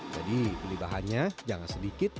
jadi beli bahannya jangan sedikit ya